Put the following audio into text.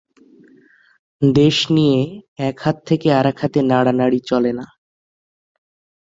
দেশ নিয়ে এক হাত থেকে আর-এক হাতে নাড়ানাড়ি চলে না।